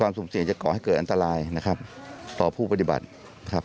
สุ่มเสี่ยงจะก่อให้เกิดอันตรายนะครับต่อผู้ปฏิบัติครับ